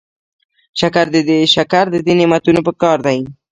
شکر د دې نعمتونو پکار دی.